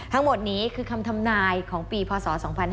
ทั้งหมดนี้คือคำทำนายของปีพศ๒๕๕๙